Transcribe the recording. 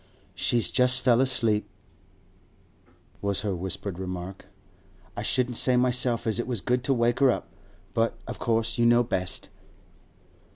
'She's just fell asleep,' was her whispered remark. 'I shouldn't say myself as it was good to wake her up, but of course you know best.